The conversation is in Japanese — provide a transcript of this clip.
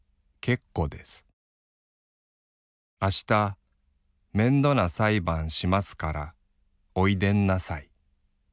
あしためんどなさいばんしますからおいでんなさい。